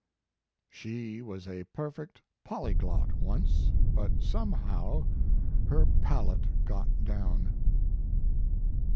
"She was a perfect polyglot once, but somehow her palate got down."